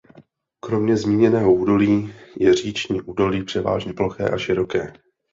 Kromě zmíněného údolí je říční údolí převážně ploché a široké.